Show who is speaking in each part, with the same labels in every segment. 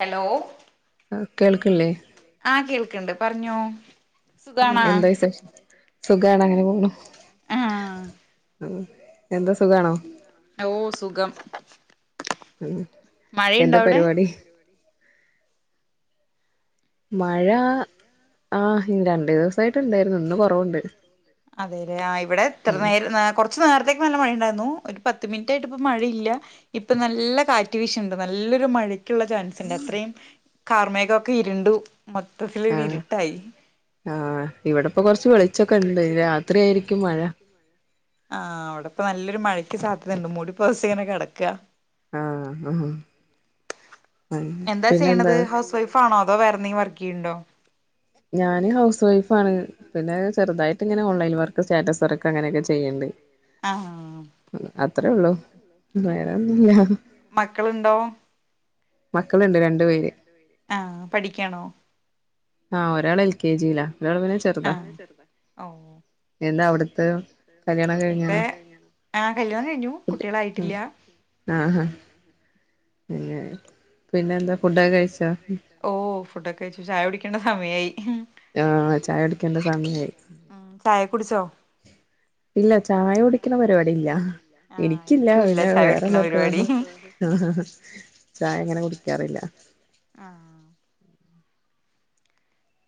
Speaker 1: Hello
Speaker 2: ആ കേൾക്കില്ലേ
Speaker 1: ആഹ് കേൾക്ക്ണ്ട് പറ്ഞ്ഞോ
Speaker 2: എന്താ വിശേഷം? സുഖാണ് അങ്ങനെ പോണ്
Speaker 1: ആഹ്
Speaker 2: ഉംഎന്താ സുഖാണോ?
Speaker 1: ഓ സുഖം.
Speaker 2: ഉം
Speaker 1: മഴയുണ്ടോ
Speaker 2: എന്താ
Speaker 1: അവിടെ
Speaker 2: പരിപാടി മഴ ആ ഇ രണ്ടു ദിവസായിട്ട് ഇണ്ടായിരുന്നു ഇന്ന് കൊറവ്ണ്ട്
Speaker 1: അതേലെ ആ ഇവിടെ ഇത്രനേര ന്നാകുറച്ച് ച്ചു വേർത്തക്ക് നല്ല മഴയുണ്ടായിരുന്നു ഒരു പത്ത് മിനിറ്റായിട്ട് ഇപ്പം മഴയില്ല ഇപ്പൊ നല്ല കാറ്റ് വിശ്ണ്ട് നല്ല ഇതൊരു രു മഴയ്ക്കുള്ള ചാൻസ് ഇണ്ട് അത്രേം കാർമേഘം ഒക്കെ ഇരുണ്ടു മൊത്തത്തിലൊര്
Speaker 2: ആഹ്
Speaker 1: ഇരുട്ടായി
Speaker 2: ആഹ്
Speaker 1: ആ
Speaker 2: ഇവിടെപ്പോ കൊറച്ച്
Speaker 1: ഇവിടെപ്പം
Speaker 2: വെളിച്ചൊക്കെ ഇണ്ട്
Speaker 1: കൊറച്ച് ച്ചൊക്കെണ്ട്
Speaker 2: രാത്രി ആയിരിക്കും
Speaker 1: രാത്രിയായിരിക്കും മഴ ആഹ അവടെപ്പം നല്ലൊരു മഴയ്ക്ക് സാധ്യതയുണ്ട് മൂടിപ്പൊതച്ചിങ്ങനെ കെടക്കാ
Speaker 2: ആ ആ
Speaker 1: എന്താ ചെയ്യ്ണത് ഹൗസ് വൈഫാ ണോ അതോ വേറെന്തെങ്കിലും വർക്കു ചെയ്യ്ണ്ടോ
Speaker 2: ഞാന് ഹൗസ് വൈഫാണ് പിന്നെ ചെറ്തായിട്ടിങ്ങനെ ഓൺലൈൻ വർക്ക് സ്റ്റാറ്റസ് വർക്ക് അങ്ങനേ യൊക്കെ ചെയ്യിണ്ട്
Speaker 1: ആ
Speaker 2: അത്രേ ഒള്ളു വേറൊന്നും ഇല്ലാഹ്
Speaker 1: മക്കളുണ്ടോ
Speaker 2: മക്കളുണ്ട് രണ്ടു പേര്
Speaker 1: ആഹ് പഠിക്കാണോ
Speaker 2: ആ ഒരാൾ എൽ കേ ജീ ലാ
Speaker 1: ആ ഓ
Speaker 2: എന്താ അവിടുത്തെ
Speaker 1: ന്താ അവിട്ത്തെ
Speaker 2: കല്യാണം കഴിഞ്ഞാണോ
Speaker 1: ഇവിടെ ആ കല്യാണം കഴിഞ്ഞു കുട്ട്യാളായിട്ടില്യാ
Speaker 2: ആ ഹാ പിന്നെ പിന്നെന്താ ഫുഡ്ഡൊക്കെ കഴിച്ചോ
Speaker 1: ഓ ഫുഡൊക്കെ കയിച്ചു ചായ കുടിക്കണ്ട സമയായി ഉം
Speaker 2: ആഹ് ചായ
Speaker 1: ആ
Speaker 2: കുടിക്കേണ്ട സമയായി
Speaker 1: ചായ ചായ കുടിച്ചോ
Speaker 2: ഇല്ല ചായ കുടിക്ക്ണെ പരിപാടി ഇല്ല
Speaker 1: ആഹ്
Speaker 2: എനിക്കില്ല
Speaker 1: എനിക്കും ഇല്ല
Speaker 2: പിന്നെ
Speaker 1: ചായ കുടിക്കണ
Speaker 2: വേറൊള്ളോർക്കെ
Speaker 1: പരിപാടി
Speaker 2: വേണം ആ ആ ചായ അങ്ങനെ കുടിക്കാറില്ല
Speaker 1: ആ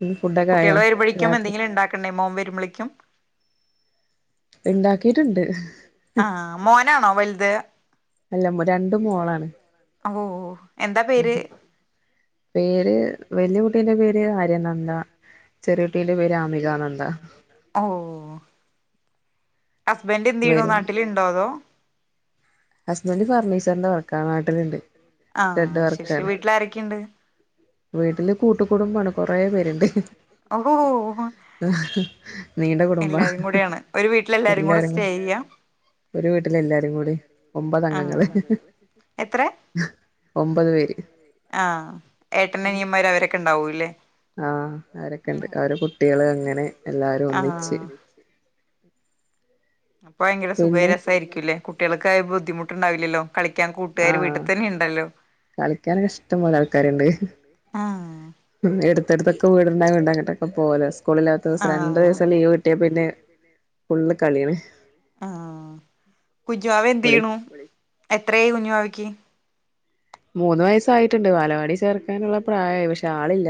Speaker 2: ഉം ഫുഡൊക്കെ ആയോ
Speaker 1: കുട്ടികളെ വരുമ്പോഴേക്കും
Speaker 2: രാത്രി
Speaker 1: എന്തെങ്കിലും ഉണ്ടാക്കണ്ടേ മോൻ വെരുമ്പളേക്കും
Speaker 2: ഇണ്ടാക്കിട്ടുണ്ട്
Speaker 1: ആ മോനാണോ വല്ത്
Speaker 2: അല്ല രണ്ട് മോളാണ്
Speaker 1: ഓ ഓ എന്താ പേര്
Speaker 2: പേര് വല്യ കുട്ടി കുട്ടീന്റെ പേര് ആര്യനന്ദ ചെറിയ കുട്ടീന്റെ പേര് ആമികാനന്ദ
Speaker 1: ഓ ഹസ്ബൻഡ് എന്തെയ്യ്ണു
Speaker 2: വരും
Speaker 1: നാട്ടിൽ ഉണ്ടോ അതോ
Speaker 2: ഹസ്ബൻഡ് [unintelligible] നാട്ടിലുണ്ട്
Speaker 1: ആ
Speaker 2: ഷെഡ്
Speaker 1: ശരി
Speaker 2: വർക്കാണ്
Speaker 1: വീട്ടിലാരൊക്കെയ്ണ്ട്
Speaker 2: വീട്ടില് കൂട്ടുകുടുംബാണ് കൊറേ പേര്ണ്ട്
Speaker 1: ഓ
Speaker 2: അഹ നീണ്ട കുടുംബാ
Speaker 1: എല്ലാരും
Speaker 2: അഹാ
Speaker 1: കൂടെയാണ് ഒരു വീട്ടിലെല്ലാരും കൂടെ
Speaker 2: എല്ലാരും
Speaker 1: സ്റ്റേ ചെയ്യാ
Speaker 2: ഒരു വീട്ടിലെല്ലാരും കൂടി ഒമ്പതഗം ങ്ങങ്ങൾ
Speaker 1: ആഹ്
Speaker 2: ഹ്ഹാ ഒമ്പത് പേര്
Speaker 1: ആ ഏട്ടനനിയമ്മാര് അവരൊക്കെ ഉണ്ടാവൂല്ലേ
Speaker 2: ആ അവരൊക്കെ ഉണ്ട് അവരെ കുട്ട്യാള് അങ്ങനെ എല്ലാരും
Speaker 1: ആഹ്
Speaker 2: ഒന്നിച്ച്
Speaker 1: അപ്പൊ ഭയങ്കര സുഖ
Speaker 2: പിന്നെ
Speaker 1: രസായിരിക്കൂല്ലേ കുട്ടികൾ ക്കായ ബുദ്ധിമുട്ടുണ്ടാവില്ലല്ലോ. കളിക്കാൻ കൂട്ടുകാര് വീട്ടിൽ തന്നെ ഉണ്ടല്ലോ
Speaker 2: കളിക്കാനൊരിഷ്ടം പോലെ ആൾക്കാര്ണ്ട്
Speaker 1: ആഹ്
Speaker 2: മ് എടുത്തെടുത്തൊക്കെ വീട് ഇണ്ടാവയോണ്ടങ്ങട്ടൊക്കെ പോവലോ സ്കൂളില്ലാത്ത ഓസം രണ്ടു ദിവസം
Speaker 1: ആഹ്
Speaker 2: ലീവ് കിട്ടിയാ പിന്നെ ഫുള്ള് കളിയാണ്
Speaker 1: ആ കുഞ്ച് വാവ
Speaker 2: വിളി
Speaker 1: എന്തെയ്യ്ണു എത്രേയി കുഞ് വാവയ്ക്ക്
Speaker 2: മൂന്ന് വയസ്സായിട്ടുണ്ട് വാലവാടി ചേർക്കാനുള്ള പ്രായായി പക്ഷെ ആളില്ല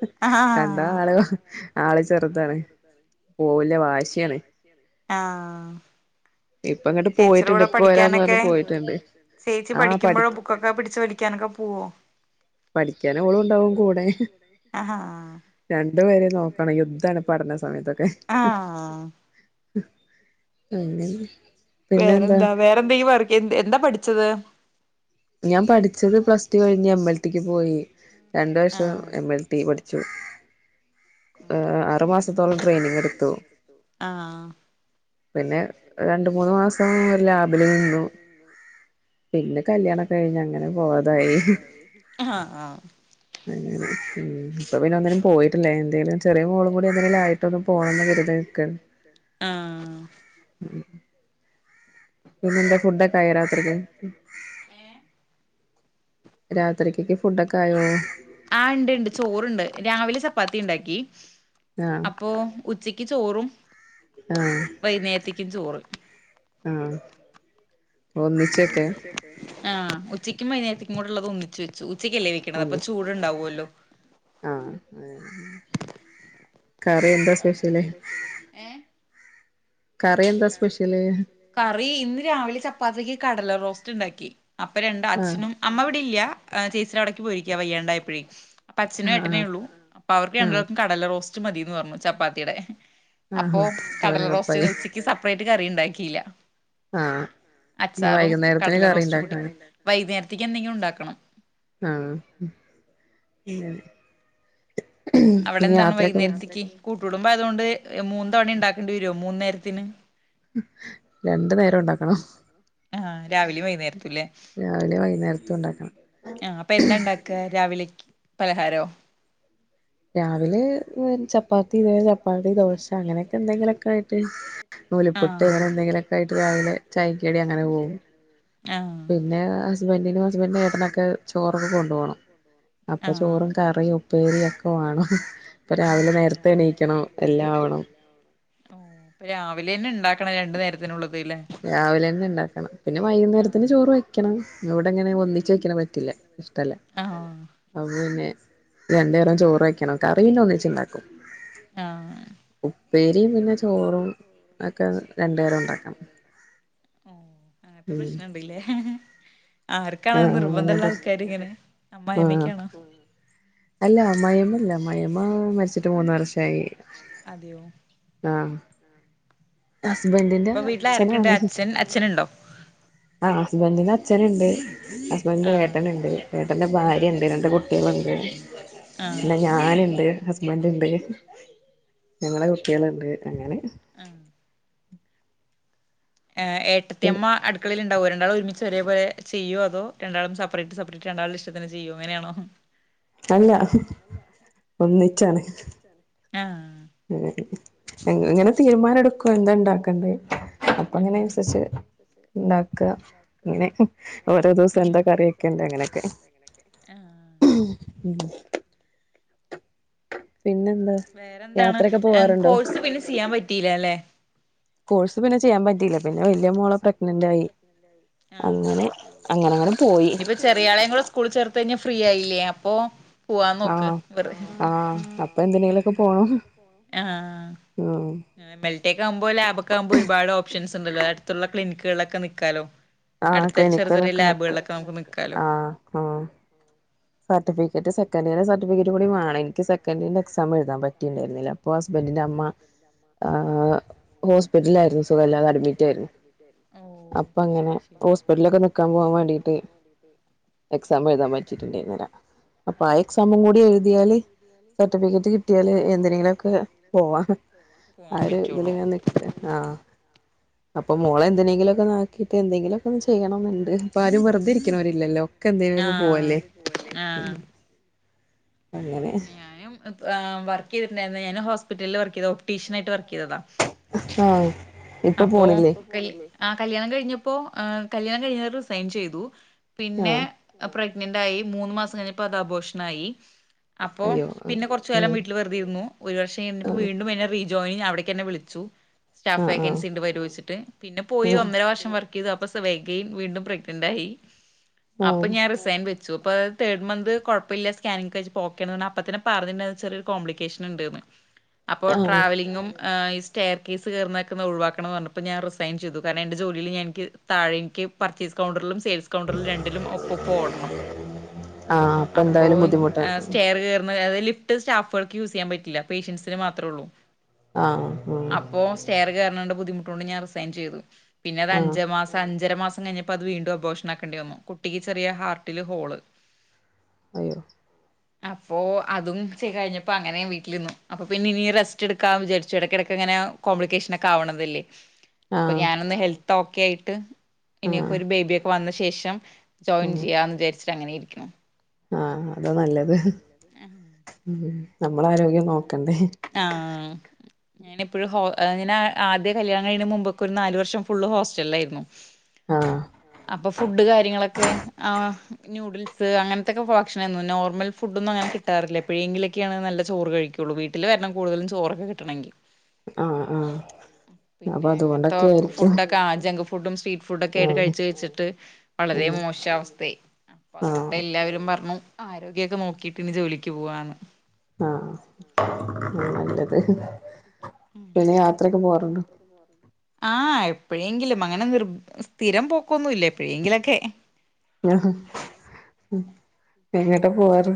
Speaker 2: ഹ്
Speaker 1: ആഹ്
Speaker 2: കണ്ടാ ആള് വാഹ് ആളു ചെറുതാണ് പോവില്ല വാശിയാണ്
Speaker 1: ആ
Speaker 2: ഇപ്പ ഇങ്ങട്ട് പോയിട്ടുണ്ട്
Speaker 1: ടീച്ചറൂടെ
Speaker 2: ഇപ്പ വരാന്ന് പറഞ്ഞ്
Speaker 1: പഠിക്കാനൊക്കെ
Speaker 2: പോയിട്ടുണ്ട്
Speaker 1: ചേച്ചി
Speaker 2: ആഹ്
Speaker 1: പഠിക്കുമ്പൊഴോ ബുക്കൊക്കെ പിടിച്ച് വലിക്ക്യാനൊക്കെ പോവോ
Speaker 2: പഠിക്കാനോളൂണ്ടാവും കൂടെ
Speaker 1: ആഹാ ആഹ്
Speaker 2: രണ്ടു പേര നോക്കണം യുദ്ധാണ് പഠന സമയത്തൊക്കെ
Speaker 1: ആഹ്
Speaker 2: അന്നന്നെ
Speaker 1: വേറെന്താ വേറെന്തെങ്ക്യും വർക്ക് എന്ത് എന്താ പഠിച്ചത്?
Speaker 2: ഞാൻ പഠിച്ചത് പ്ലസ് ടു കഴിഞ്ഞ് എം എൽ ടിക്ക് പോയി രണ്ടു വർഷം
Speaker 1: ആഹ്
Speaker 2: എം എൽ ടി പഠി ആ ആ ആറ് മാസം
Speaker 1: ആഹ്
Speaker 2: പിന്നെ രണ്ട് മൂന്ന് മാസം ലാബില് നിന്നു പിന്നെ കല്യാണ
Speaker 1: കല്യാണംകഴിഞ്ഞ അങ്ങനെ പോയതായി
Speaker 2: ഇപ്പ പിന്നെ ഒന്നിനു പോയിട്ടില്ലേ എന്തേങ്കലും ചെറിയ മോളും കൂടി [unintelligible] പോണംന്ന് കരുതി നിക്കാണ്
Speaker 1: ആഹ്
Speaker 2: പിന്നെന്താ ഫുഡൊക്കെ ആയ രാത്രിക്ക്.? രാത്രിക്കക്ക് ഫുഡൊക്കെ ആയോ
Speaker 1: ആ ണ്ട് ണ്ട് ചോറുണ്ട് രാവിലെ പ്പാത്തി ണ്ടാക്കി
Speaker 2: ആഹ്
Speaker 1: അപ്പോ ഉച്ചക്ക് ചോറും
Speaker 2: ആഹ്
Speaker 1: ഉച്ചയ്ക്ക് ചോറ്
Speaker 2: ആഹ ഒന്നിച്ചക്കെ
Speaker 1: ആ ഉച്ചക്കും വൈന്നേരത്തക്കും കൂടെ ഉള്ളത് ഒന്നിച്ച് വെച്ചു ഉച്ചക്കല്ലേ വെക്കണത് അപ്പൊ
Speaker 2: ഒന്നിച്ച്
Speaker 1: ചൂടുണ്ടാവുഅല്ലോ
Speaker 2: ആഹ് കറി എന്താ സ്പേഷ്യല്
Speaker 1: ഏഹ് കറി ഇന്ന് രാവിലെ ചപ്പാത്തിക്ക് കടല റോസ്റ്റ് ഉണ്ടാക്കി. അപ്പൊ രണ്ട്
Speaker 2: ആഹ്
Speaker 1: അച്ഛനും അമ്മ ഇവിടെ ഇല്ല ചേച്ചി അവിടയ്ക്ക് പോയിരിക്കാ വയ്യാണ്ടായായപായേ അപ്പൊ അച്ഛനേ
Speaker 2: ആഹ്
Speaker 1: ഏട്ടനേ
Speaker 2: ആഹ്
Speaker 1: ഉള്ളൂ അപ്പൊ അവർക്ക്
Speaker 2: ആഹ്
Speaker 1: കണ്ടർക്കും കടല റോസ്റ്റ് മതിന്ന് പറഞ്ഞു ചപ്പാത്തിടെ അപ്പൊ
Speaker 2: ആഹാ
Speaker 1: കടല
Speaker 2: അതോണ്ട്
Speaker 1: റോസ്റ്റ്
Speaker 2: എളുപ്പായി
Speaker 1: തന്നെ ഉച്ചയ്ക്ക് കറി ഉണ്ടാക്കില്ല
Speaker 2: ആഹ് ഇനി
Speaker 1: അച്ചാറും
Speaker 2: വൈകുന്നേരത്തിന്
Speaker 1: കടല
Speaker 2: കറി
Speaker 1: റോസ്റ്റ് കുട്ടി
Speaker 2: ഇണ്ടാക്കണം
Speaker 1: വൈകുന്നേരത്തേക്ക് എന്തെങ്കിലും ഉണ്ടാക്കണം
Speaker 2: ആഹ്
Speaker 1: അവിടെ
Speaker 2: പിന്നെ
Speaker 1: എന്താണ്
Speaker 2: യാത്രയൊക്കെ പോ
Speaker 1: വൈന്നേരത്തേക്ക്. കുടുംബം അതുകൊണ്ട് മൂന്ന് തവണ ഉണ്ടാക്കേണ്ടി വരുമോ മൂന്ന് നേരത്തിന്
Speaker 2: രണ്ടു നേരം ഉണ്ടാക്കണം
Speaker 1: ആ രാവിലെയ വൈന്നേരത്തല്ലേ
Speaker 2: രാവിലെ വൈകുന്നേരത്തും ഉണ്ടാക്കണം
Speaker 1: ആ അപ്പൊ എന്താ ഉണ്ടാക്ക രാവിലെക്ക് പലഹാരോ
Speaker 2: രാവിലെ ചപ്പാത്തി ഇത് ചപ്പാത്തി ദോ ശ അങ്ങനെയൊക്കെ എന്തെങ്കിലുക്കെ ആയിട്ട് നൂലിപ്പുട്ട്
Speaker 1: ആഹ്
Speaker 2: അങ്ങനെ എന്തെങ്കിലുമൊക്കെ ആയിട്ട് രാവിലെ ചായക്കടി അങ്ങനെ പോകും
Speaker 1: ആഹ്
Speaker 2: പിന്നെ ഹസ്ബന്റിനും ഹസ്ബന്റിന്റെ എട്ടനൊക്കെ ചോറും
Speaker 1: ആ
Speaker 2: കറിയും ഉപ്പേരിയും ഒക്കെ വേണം ഇപ്പൊ രാവിലെ
Speaker 1: [inaudible]
Speaker 2: നേരത്തെ എണീക്കണം എല്ലാവണം.
Speaker 1: രണ്ട് നേരത്തിനുള്ളത് ല്ലേ
Speaker 2: രാവിലെ തന്നെ ഉണ്ടാക്കണം പിന്നെ
Speaker 1: ആഹ്
Speaker 2: വൈകുന്നേരത്തിന് ചോറ് വെക്കണം ഇവിടെ എങ്ങനെ ഒന്നിച്ച് വെക്കണ പറ്റില്ല. ഇല്ല ഇഷ്ടല്ല
Speaker 1: ആഹ്
Speaker 2: അപ്പോ പിന്നെ രണ്ടു നേരം ചോറ് വെക്കണം കറി പിന്നെ
Speaker 1: [unintelligible] [inaudible]
Speaker 2: ഉപ്പേരിയും പിന്നെ ചോറും ഒക്കെ രണ്ടു നേരം ഉണ്ടാക്കണം
Speaker 1: ഓ അങ്ങനത്തെ
Speaker 2: ഉം
Speaker 1: പ്രശ്നമുണ്ടല്ലേ ആർക്കാണോ
Speaker 2: ആഹ് ആഹ്
Speaker 1: നിർബന്ധള്ള
Speaker 2: അങ്ങനത്തെ
Speaker 1: ആൾക്കാാര് ഇങ്ങനെ അമ്മായി
Speaker 2: ആഹ്
Speaker 1: അമ്മക്കാണോ
Speaker 2: അല്ല അമ്മായിയമ്മല്ല അമ്മായിമ്മ മരിച്ചിട്ട് മൂന്ന് വർഷായി.
Speaker 1: അതെയോ
Speaker 2: ആ ഹസ്ബൻഡിന്റെ
Speaker 1: അപ്പൊ വീട്ടില് ആരൊക്കെണ്ട്
Speaker 2: അച്ഛനാണ്
Speaker 1: അച്ഛൻ അച്ഛനുണ്ടോ
Speaker 2: ആ ഹസ്ബൻഡിന്റെ അച്ഛനുണ്ട് ഹസ്ബൻഡിന്റെ
Speaker 1: ആഹ്
Speaker 2: ഏട്ടനുണ്ട് ഏട്ടന്റെ ഭാര്യ
Speaker 1: ആഹ്
Speaker 2: ണ്ട് രണ്ട് കുട്ടികളുണ്ട്
Speaker 1: ആഹ്
Speaker 2: പിന്നെ ഞാനുണ്ട്..... ഹസ്ബന്റ്ണ്ട് ഞങ്ങളെ കുട്ട്യേള്ണ്ട് അങ്ങനെ
Speaker 1: ആഹ് ഏഹ്ഹ്ഹ്.. ഏട്ടത്തിയമ്മ അടുക്കളയി ണ്ടവൊ രണ്ടാളും ഒരുമിച്ച് ഒരേപോലെ ചെയ്യോ അതോ രണ്ടാളും സപ്പേറേറ്റ് സപ്പറേറ്റ് രണ്ടാൾടെഷ്ടത്തിനു ചെയ്യോ അങ്ങനെയാണൊ.
Speaker 2: അല്ല അഹ്മ് ഒന്നിച്ചാണ്
Speaker 1: ആഹ്
Speaker 2: [unintelligible] ഞങ്ങളിങ്ങനെ തീരുമാനടുക്കും പ്പെന്തണ്ടാക്കണ്ട അപ്പ അങ്ങനെ
Speaker 1: ഓരോ
Speaker 2: അൻസരിച്ച് ഇണ്ടാക്ക ഇങ്ങനെ.
Speaker 1: മ് ഓരോ ദിവസംഎന്താ കറിവെക്കണ്ടെ അങ്ങനൊക്കെ ആ
Speaker 2: ഉം [unintelligible] പിന്നെന്താ
Speaker 1: വേറെന്താണ്
Speaker 2: യാത്രയൊക്കെ പോവാറുണ്ടോ
Speaker 1: കോഴ്സ്പിന്നെ ചെയ്യാൻ പറ്റീലാലെ
Speaker 2: കോഴ്സ് പിന്നെ ചെയ്യാൻ
Speaker 1: കോഴ്സ് പിന്നെ
Speaker 2: പറ്റിയില്ല വലിയ
Speaker 1: ചെയ്യാൻപറ്റീല്ല
Speaker 2: മോളെ
Speaker 1: പിന്നെ
Speaker 2: പ്രഗ്നന്റ്
Speaker 1: വല്യമോള
Speaker 2: ആയി
Speaker 1: പ്രഗ്നന്റ് ആയി ആ അങ്ങനെ അങ്ങന ഇനിപ്പോ ചെറിയാളേംകൂടെ സ്കൂള്ചേർത്തഴിഞ്ഞാ ഫ്രീ ആയില്ലേ അപ്പോ
Speaker 2: ആ ആ അപ്പൊ എന്തിനെലൊക്കെപോണം.
Speaker 1: ആ മെൽറ്റക്കാവുമ്പോ ലാബക്കാവുമ്പോ ഒരുപാട് ഓ പ്ഷൻസ്ണ്ട്ലേ അടുത്തുള്ള ക്ലിനിക്ക്കൾലൊക്കെ നിക്കാലോ.
Speaker 2: ആ
Speaker 1: അടുത്ത ചെറിയ ചെറിയ
Speaker 2: ക്ലിനിക്കിലൊക്കെ നിക്ക
Speaker 1: ലാബുകളിലൊക്കെ നമുക്ക് നിക്കാലോ
Speaker 2: ആ ആ സർട്ടിഫിക്കറ്റ് സെക്കൻ്ഇയറിന്റെ സർട്ടിഫിക്കറ്റ് കൂടി വേണം ഇൻക്ക് സെക്കൻന്റെ ക്സാം എഴുതാൻ പറ്റിണ്ടായിരുന്നില്ല അപ്പൊ ഹസ്ബൻന്റെ അമ്മ ഹോസ്
Speaker 1: ഹോസ്പിറ്റലായിരുന്നു സുഖല്ലാതെ അഡ്മിറ്റായിരുന്നു ഓ ശരി ശരി
Speaker 2: ഹോസ്പിറ്റ്ലൊക്കെ നിക്കാൻ
Speaker 1: ഇതിലൊക്കെ
Speaker 2: പോവാൻവാണ്ടിട്ട് എക്സാമെഴുതാൻ പറ്റിട്ടുണ്ടേർന്നില അപ്പൊ ആ
Speaker 1: ആഹ്
Speaker 2: എക്സാംകൂടി എഴുതിയാല് സർട്ടിഫിക്കറ്റ് കിട്ടിയ
Speaker 1: സർട്ടിഫിക്കറ്റ് കിട്ടിയാലേ എന്തിനെങ്കിലുഒക്കെ പോവാൻ പോവാൻ
Speaker 2: ആ ഒരു
Speaker 1: പറ്റുള്ളൂ
Speaker 2: ഇതിലിങ്ങനെ നിക്ക
Speaker 1: [unintelligible]
Speaker 2: ആഹ് അപ്പൊ മോളന്തിനെങ്കിലൊക്കെന്ന് ആക്കിട്ട് എന്തെങ്കിലും ജോലി ചെയ്യണന്ന്ണ്ട് ഇപ്പൊആരും വെറതെ ഇരിക്കണോരില്ലല്ലോ ഒക്കെ എന്തിനെങ്കിപോവല്ലേ
Speaker 1: ആ
Speaker 2: അങ്ങനെ
Speaker 1: ഞാനും ആ വർക്ക്യ്തിട്ടണ്ടായിരുന്നു ഞാന് ഹോസ്പിറ്റല്ല് വർക്ക്യ്ത ഓപ്ടീഷ്യൻയിട്ട് വർ കിയതാ
Speaker 2: ആഹ് ഇപ്പൊ
Speaker 1: അപ്പോ
Speaker 2: പോണില്ലേ
Speaker 1: ഇപ്പൊ പോണില്ലേ ആ കല്യാണം കഴിഞ്ഞപ്പോ ആ കല്യാണം കഴിഞ്ഞാര റിസൈൻചെയ്തു പിന്നെ
Speaker 2: ആഹ്
Speaker 1: പ്ര ഗ്നന്റായി മൂന്ന്മാസം കഴിഞ്ഞപ്പോ അത് അബോഷനായി അപ്പോ
Speaker 2: അയ്യോ
Speaker 1: പിന്നെ കുറച്ച്കാലം
Speaker 2: ഉം
Speaker 1: വീട്ടില് വെർതെയിരുന്നു ഒരു വർഷംഴിഞപ്പോ
Speaker 2: ആഹ്
Speaker 1: വീണ്ടും പിന്നെ റീജോയിനിങ് അവിട കെന്നെ വിളിച്ചു സ്റ്റാഫ്‌
Speaker 2: ആഹ് ആഹ്
Speaker 1: വേക്കൻസി ണ്ട് വരോയിച്ചിട്ട് പിന്നെ പോയി
Speaker 2: ഉം
Speaker 1: ഒന്നര വർഷം വർ ക്കെയ്തപ്പം അഗൈൻ വീണ്ടും പ്രഗ്നന്റ്ആയി അപ്പൊ
Speaker 2: ആഹ്
Speaker 1: ഞാൻ റിസൈൻ വെ ച്ചു പ്പ തേഡ്മന്ത് കൊഴപ്പല്ല സ്കാനിങ് കഴിഞ്ഞപ്പം ഓ ക്കെണ് അപ്പതന്നെ പറഞ്ഞണ്ടെയിനി ചെറിയൊരു കോപ്ലിക്കേഷൻണ്ട്ന്ന്‌ അപ്പോ
Speaker 2: ആഹ്
Speaker 1: ട്രാവലിങ്ങും സ്റ്റൈർകേസ് കേർന്നൊക്കെ ഒഴവാക്കണൊന്നർഞ്ഞപ്പോ ഞാൻ റിസൈൻചെയ്തു കാരണം എന്റെ ജോലിൽ എനിക്ക് താഴെഇൻക് പർച്ചെയ് കൗണ്ടർ ലും സെയിൽ കൗണ്ടർലും രണ്ടിലും ഓപ്പൊപ്പം ഓടണം
Speaker 2: ആഹ്
Speaker 1: അപ്പൊ
Speaker 2: എന്തായാലും
Speaker 1: ഞ
Speaker 2: ബുദ്ധിമുട്ടാ
Speaker 1: സ്റ്റെയർകേർന്ന ലിഫ്റ്റ് സ്റ്റാഫൾക്ക് യൂസ്യ്യാൻ പറ്റില്ല പേഷ്യൻസ്ന്മാത്രള്ളു
Speaker 2: ആഹ് ഉം
Speaker 1: അപ്പോ സ്റ്റെയർകേർന്നോണ്ട് ബുദ്ധിമുട്ടൊണ്ട് ഞാൻ റിസൈൻ ചെയ്തു പിന്ന
Speaker 2: ആഹ്
Speaker 1: അഞ്ച്മാസ അഞ്ചര മാ സം കഴിഞ്ഞപ്പോ അത് വീണ്ടും അബോഷൻ ആക്കേണ്ടിവന്നു കുട്ടിക്ക്ചെറിയ ഹാർട്ടില് ഹോള്
Speaker 2: അയോ
Speaker 1: അപ്പൊ അതും ചെ കഴിഞ്ഞപ്പോ അങ്ങനെ വീട്ട്ല്ന്നു അപ്പൊ പിന്ന ഇനി റസ്റ്റ്ട്ക്കാം വിചാരിച്ച് എടക്കെട്ക്ക് ഇങ്ങനെ നെ കോപ്ലിക്കേഷനൊക്കെ ആവ്ണതല്ലേ അപ്പൊ
Speaker 2: ആഹ്
Speaker 1: ഞാനൊന്ന് ഹെൽത്ത് ഓക്കെ ആയിട്ട് ഇനിഒക്കെ
Speaker 2: ആഹ്
Speaker 1: ഒരു ബേബിയൊക്കെ വന്ന ശേഷം ജോയിൻ ചെയ്യാന്ന് വിചാരിച്ചിട്ട് അങ്ങനെയിരിക്ക്ണു.
Speaker 2: ആ അതാ നല്ലത് നമ്മള ആരോഗ്യം നോ
Speaker 1: ക്കണ്ടേ ആ ഞാനിപ്പൊഴും ഹോ ഇങ്ങനെ ആദ്യ കല്യാണകയ്യ്‌ണ മുമ്പൊക്കെ ഒരു നാലവർഷം ഫുള് ഹോസ്റ്റൽലായിരുന്നു
Speaker 2: ആഹ്
Speaker 1: അപ്പൊ ഫുഡ് കാര്യങ്ങളൊക്കെ ആ നൂഡിൽസ് അങ്ങനത്തെക്കെ ഫണ്ക്ഷൻ ആയിരുന്നു, നോർമൽ ഫുഡ് ഒന്നും അങ്ങനെ കിട്ടാറില്ല, എപ്പോഴെങ്കിലൊക്കെയാണ് നല്ല ചോറ് കഴിക്കുകയുള്ളൂ വീട്ടി വീട്ടില് വരണം കൂടുതലും ചോറ് ഒക്കെ കിട്ടണമെങ്കിൽ.
Speaker 2: ആഹ് ആഹ്
Speaker 1: അആ
Speaker 2: അപ്പൊ
Speaker 1: പിന്നെ അങ്ങൻത്തെ
Speaker 2: അതുകൊണ്ടൊക്കെ ആയിരിക്കും
Speaker 1: ഫുഡൊക്കെ ജങ്ക്ഫുഡും സ്ട്രീ ആ ആ ഫുഡ്ഡ്ഒക്കെയിട്ട്
Speaker 2: ആഹ്
Speaker 1: കഴിച്ച് കഴിച്ചിട്ട് വളരെ
Speaker 2: ഉം
Speaker 1: മോശ അവസ്ഥയി അപ്പ അതോണ്ട്
Speaker 2: ആഹ്
Speaker 1: എല്ലാവരും പറഞ്ഞു ആരോഗ്യമൊക്കെ നോക്കിട്ട് ഇനി ജോലിക്ക് പോവാന്നു.
Speaker 2: ആഹ് അത് നല്ലത്.
Speaker 1: ഉം
Speaker 2: പിന്നെ യാത്രയൊക്കെ
Speaker 1: പിന്നെ
Speaker 2: പോവാറുണ്ടോ
Speaker 1: യാത്ര എന്നുപറഞ്ഞു, ആഹ്. എപ്പോഴെങ്കിലും അങ്ങനെ നിർ സ്ഥിരം പോക്കൊന്നുമില്ല എപ്പോഴെങ്കിലൊക്കെ.
Speaker 2: ആഹ് എങ്ങട്ടാ പോകാറ്.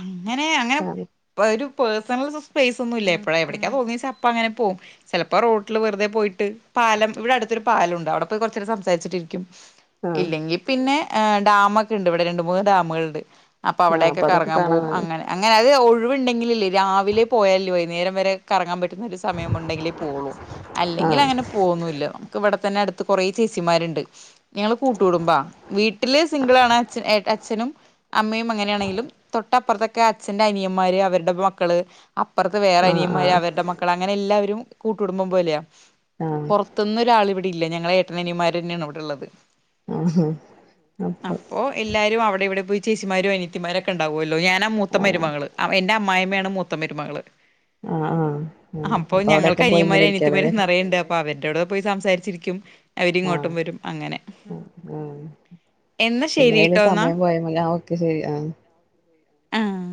Speaker 1: അങ്ങനെ അങ്ങനെ വരും. പേർസണൽസ് സ്പേസ് ഒന്നും ഇല്ല, എപ്പോൾ എവിടക്കാ തോന്നിയാൽ അപ്പ അങ്ങനെ പോകും, ചിലപ്പോ റോഡിൽ വെറുതെ പോയിട്ട്. പാലം ഇവിടെ അടുത്തൊരു പാലം ഉണ്ട്, അവിടെ പോയി കുറച്ചുനേരം സംസാരിച്ചിട്ട്. ക്കും
Speaker 2: ആഹ്
Speaker 1: ഇല്ലെങ്കിൽ പിന്നെ ഏഹ് ഡാം ഒക്കെയുണ്ട് ഇവിടെ രണ്ട് മൂന്ന് ഡാമുകളുണ്ട് അപ്പൊ അവിടെ
Speaker 2: ആഹ്
Speaker 1: ഒക്കെ.
Speaker 2: അതൊക്കെ
Speaker 1: കറങ്ങാൻ പോകും
Speaker 2: കാണാൻ
Speaker 1: അങ്ങനെ അങ്ങനെ അത് ഒഴിവുണ്ടെങ്കിൽ അല്ലെ രാവിലെ പോയാൽ അല്ലേ വൈകുന്നേരം വരെ കറങ്ങാൻ പ ഏറ്റവും നല്ല സമയം ഉണ്ടെങ്കിൽ പോകുള്ളൂ അല്ലെങ്കിൽ
Speaker 2: ആഹ്
Speaker 1: അങ്ങനെ പോകുന്നുമില്ല നമുക്ക് ഇവിടെ തന്നെ അടു കൊറേ ചേച്ചിമാരുണ്ട് ഞങ്ങള്ൾ കൂട്ടൂടുമ്പാ വീട്ടില് സിംഗിള ആണ് അച്ഛ അച്ഛനും അമ്മയും അങ്ങനെയാണെങ്കിലും തൊട്ടപ്പുറത്തൊക്കെ അച്ഛന്റെ അനിയന്മാര് അവരുടെ മക്കള് അപ്പുറത്ത് വേറെ
Speaker 2: ആഹ്
Speaker 1: അനിയന്മാര്
Speaker 2: ആഹ്
Speaker 1: അവരുടെ മക്കൾ അങ്ങനെ എല്ലാവരും കൂട്ടുകുടുമ്പം പോലെയാ
Speaker 2: ആഹ്
Speaker 1: പുറത്തൊന്നു ഒരാൾ ഇവിടെ ഇല്ലേ ഞങ്ങളെ ഏട്ടനനിമാര് തന്നെയാണ് ഇവിടെള്ളത്
Speaker 2: ആഹ് അപ്പൊ
Speaker 1: അപ്പോ എല്ലാരും അവിടെ ഇവിടെ പോയി ചേച്ചിമാരും അനത്തിമാരൊക്കെ ഉണ്ടാവുമല്ലോ ല്ലോ ഞാനാ മൂത്ത
Speaker 2: ആഹ്
Speaker 1: മരുമകൾ എന്റെ അ്മായിയമ്മയാണ് മൂത്ത മരുമകള്
Speaker 2: ആഹ് ആഹ് ആഹ്
Speaker 1: അപ്പൊ
Speaker 2: അവിടെക്കെ
Speaker 1: ഞങ്ങൾക്ക്
Speaker 2: പോയി
Speaker 1: അനിയന്മാര
Speaker 2: ഇങ്ങനെ
Speaker 1: അനിയത്ത്മാര
Speaker 2: ഇരിക്കാലോല്ലേ
Speaker 1: നിറയുണ്ട് അപ്പൊ അവന്റെ കൂടെ പോയി സംസാരിച്ചിരിക്കും അവരിങ്ങോട്ടും
Speaker 2: ആഹ്
Speaker 1: വരും അങ്ങനെ എന്നാൽ ശരി
Speaker 2: എങ്ങനെിലും
Speaker 1: കേട്ടോ എന്നാൽ
Speaker 2: സമയം പോയ ഞാൻ ഒക്കെ ശരി ആഹ്
Speaker 1: ആഹ്